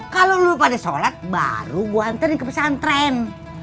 kalo lu pada sholat baru gua hantar di kepesan tren